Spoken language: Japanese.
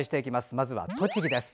まずは栃木です。